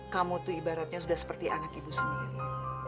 kamu tuh ibaratnya sudah seperti anak ibu sendiri